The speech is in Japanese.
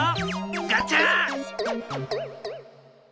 ガチャ！